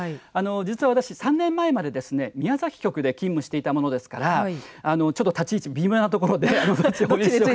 実は私、３年前まで宮崎局で勤務していたものですからちょっと立ち位置微妙なところで。